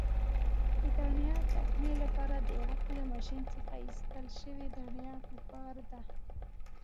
د دڼیا چکنۍ لپاره د غوښې له ماشین څخه ایستل شوې دڼیا پکار ده.